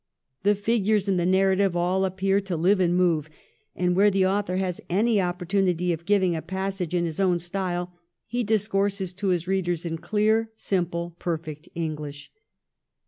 The figures in the narrative all appear to live and move, and where the author has any opportunity of giving a passage in his own style he discourses to his readers in clear, simple, perfect English.